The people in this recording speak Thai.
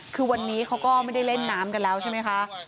คือวันนี้เขาก็ไม่ได้เล่นน้ำกันแล้วใช่ไหมคะ